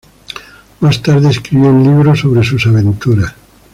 Más tarde escribió un libro sobre sus aventuras.